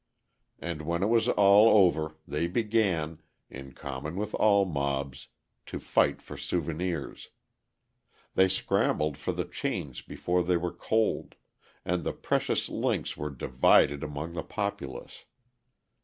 And when it was all over, they began, in common with all mobs, to fight for souvenirs. They scrambled for the chains before they were cold, and the precious links were divided among the populace.